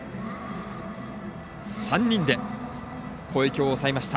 ３人で攻撃を抑えました。